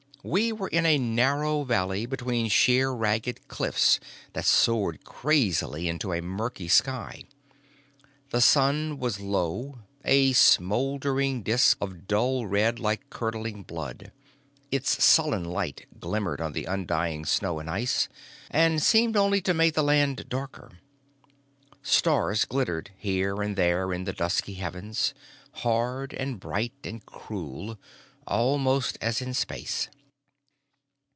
We were in a narrow valley between sheer, ragged cliffs that soared crazily into a murky sky. The sun was low, a smouldering disc of dull red like curdling blood; its sullen light glimmered on the undying snow and ice and seemed only to make the land darker. Stars glittered here and there in the dusky heavens, hard and bright and cruel, almost, as in space.